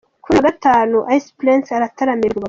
Kuri uyu wa gatanu Ice Prince arataramira i Rubavu.